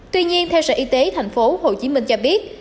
tuy nhiên theo sở y tế thành phố hồ chí minh cho biết